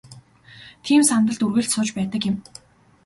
Тийм сандалд үргэлж сууж байдаг юм.